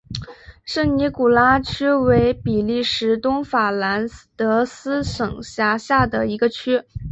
圣尼古拉区为比利时东法兰德斯省辖下的一个区。